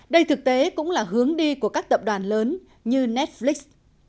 đây thực tế cũng là hướng đi của các tập đoàn lớn như netflix